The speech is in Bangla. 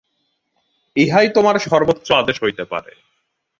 ইহাই তোমার সর্বোচ্চ আদর্শ হইতে পারে।